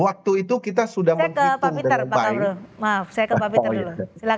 waktu itu kita sudah menghitung dengan baik